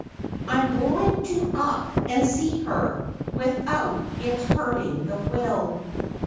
I'm going to up and see her, without it's hurting the will.